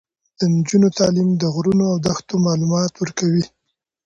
د نجونو تعلیم د غرونو او دښتو معلومات ورکوي.